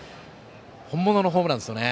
本物のホームランですね。